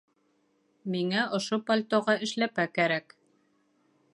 Миңә ошо пальтоға эшләпә кәрәк